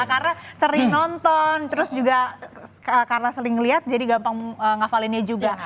karena sering nonton terus juga karena sering ngeliat jadi gampang ngapalinnya juga